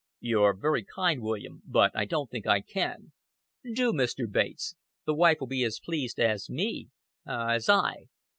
"You're very kind, William, but I don't think I can." "Do, Mr. Bates. The wife will be as pleased as me as I."